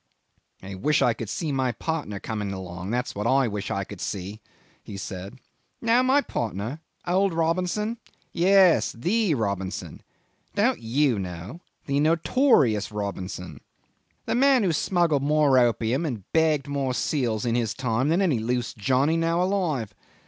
"I wish I could see my partner coming along, that's what I wish to see," he said. "Know my partner? Old Robinson. Yes; the Robinson. Don't you know? The notorious Robinson. The man who smuggled more opium and bagged more seals in his time than any loose Johnny now alive.